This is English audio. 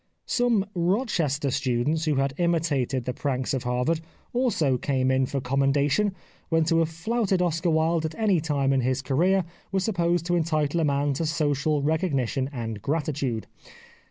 Some Rochester students who had imitated the pranks of Har vard also came in for commendation when to have flouted Oscar Wilde at any time in his career was supposed to entitle a man to social recog nition and gratitude.